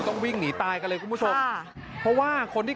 โอ๊ยรถรถ